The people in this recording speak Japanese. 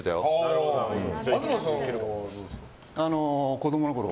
子供のころ